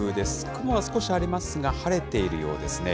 雲は少しありますが、晴れているようですね。